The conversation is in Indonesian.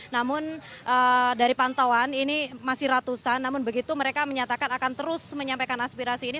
namun dari pantauan ini masih ratusan namun begitu mereka menyatakan akan terus menyampaikan aspirasi ini